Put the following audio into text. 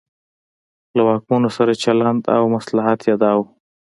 له واکمنو سره چلن او مصلحت یې دا و.